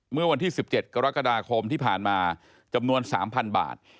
เมื่อวันที่๑๗กรกฎาคมที่ผ่านมาจำนวน๓๐๐๐บาท